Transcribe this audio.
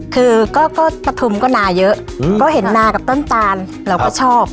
คือก็ปฐุมก็นาเยอะก็เห็นนากับต้นตาลเราก็ชอบ